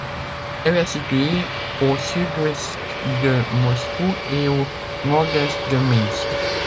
Elle est située à au sud-ouest de Moscou, et à au nord-est de Minsk.